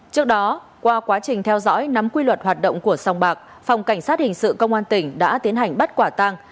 trước đó qua quá trình theo dõi nắm quy luật hoạt động của sông bạc phòng cảnh sát hình sự công an tỉnh đã tiến hành bắt quả tăng